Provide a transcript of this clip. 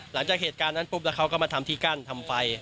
หลังจากเหตุการณ์นั้นปุ๊บแล้วเขาก็มาทำที่กั้นทำไฟ